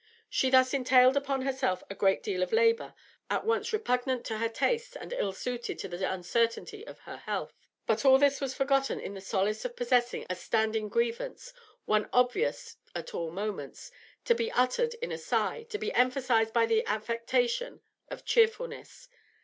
She thus entailed upon herself a great deal of labour, at once repugnant to her tastes and ill suited to the uncertainty of her health, but all this was forgotten in the solace of possessing a standing grievance, one obvious at all moments, to be uttered in a sigh, to be emphasised by the affectation of cheerfulness.